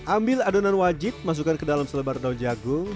ambil adonan wajib masukkan ke dalam selebar daun jagung